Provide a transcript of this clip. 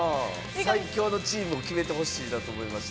最強のチームを決めてほしいなと思いました。